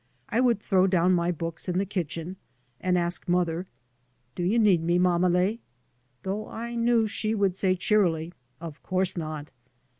I would throw down my books in the kitchen, and ask mother, " Do you need me, mammele ?" though I knew she would say cheerily, ".Of course not!